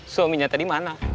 suaminya tadi mana